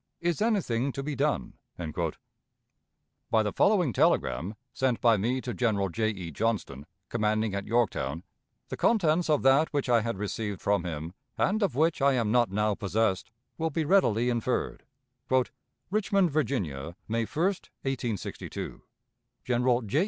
Is anything to be done?" By the following telegram sent by me to General J. E. Johnston, commanding at Yorktown, the contents of that which I had received from him, and of which I am not now possessed, will be readily inferred: "RICHMOND, VIRGINIA, May 1, 1862. "General J.